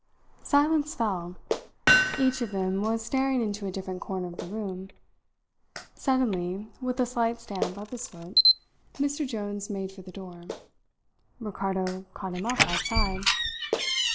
Silence fell. Each of them was staring into a different corner of the room. Suddenly, with a slight stamp of his foot, Mr. Jones made for the door. Ricardo caught him up outside.